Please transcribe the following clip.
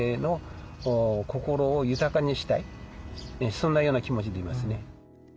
そんなような気持ちでいますね。